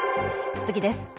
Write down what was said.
次です。